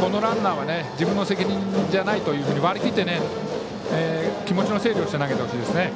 このランナーは自分の責任じゃないと割り切って気持ちの整理をして投げてほしいですね。